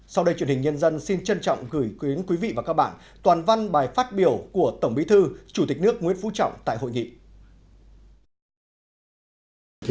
sau đây truyền hình nhân dân xin trân trọng gửi quý vị và các bạn toàn văn bài phát biểu của tổng bí thư chủ tịch nước nguyễn phú trọng tại hội nghị